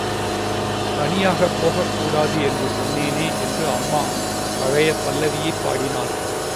தனியாகப் போகக் கூடாது என்று சொன்னேனே என்று அம்மா பழைய பல்லவியைப் பாடினாள்.